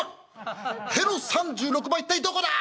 『への３６番一体どこだ』。